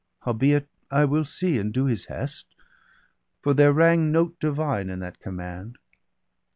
Howbeit I will see, and do his hest; For there rang note divine in that command.'